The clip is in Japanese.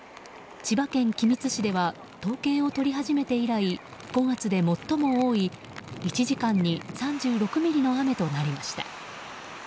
千葉県君津市では統計を取り始めて以来５月で最も多い、１時間に３６ミリの雨となりました。